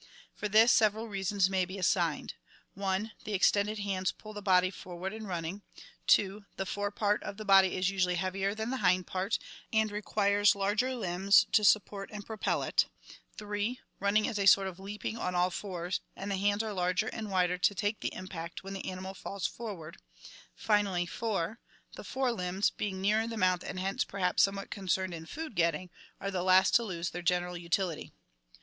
For this seveial reasons may be assigned: (i) The extended hands pull the body forward in running; (2) the fore part of the body is usually heavier than the hind part and requires larger limbs to support and propel it; (3) running is a sort of leaping on all fours, and the hands are larger and wider to take the impact when the animal falls forward; finally (4) the fore limbs, being nearer the mouth and hence per haps somewhat concerned in food getting, are the last to lose their general utility.